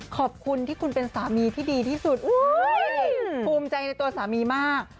ขอบคุณที่คุณเป็นสามีที่ดีที่สุดภูมิใจในตัวสามีมาก